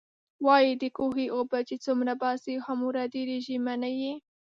وايي د کوهي اوبه چې څومره باسې، هومره ډېرېږئ. منئ يې؟